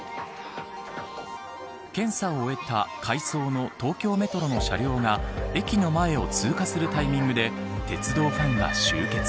検査を終えた回送の東京メトロの車両が駅の前を通過するタイミングで鉄道ファンが集結。